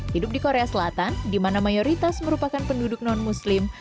hidup di korea selatan di mana mayoritas merupakan penduduk non muslim